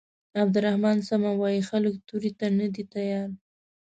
عبدالرحمن سمه وايي خلک تورې ته نه دي تيار.